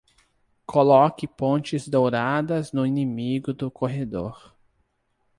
Coloque pontes douradas no inimigo do corredor.